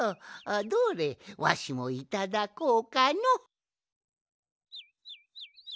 どれわしもいただこうかの。